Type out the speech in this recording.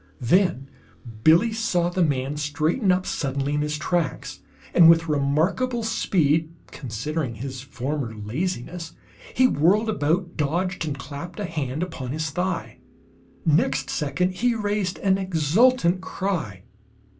Then Billie saw the man straighten up suddenly in his tracks, and with remarkable speed, considering his former laziness, he whirled about, dodged, and clapped a hand upon his thigh. Next second he raised an exultant cry.